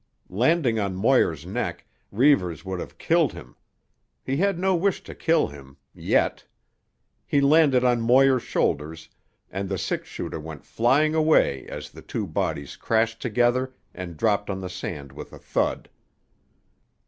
Landing on Moir's neck, Reivers would have killed him. He had no wish to kill him—yet. He landed on Moir's shoulders and the six shooter went flying away as the two bodies crashed together and dropped on the sand with a thud.